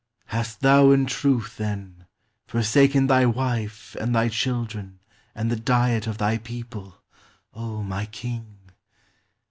Hast thou in truth, then, forsaken thy wife and thy children and the Diet of thy people, O my King?